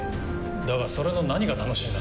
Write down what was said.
だがそれの何が楽しいんだ？